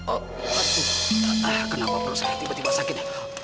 oh kenapa perlu saya tiba tiba sakit